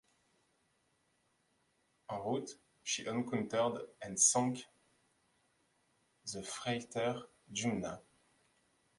En route, she encountered and sank the freighter "Jumna".